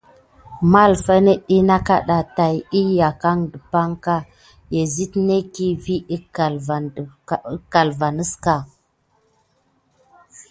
Mahəlfa net ɗyi nakaɗa tayəckal dəpaŋka, ya zət necki vi əlma vanəska.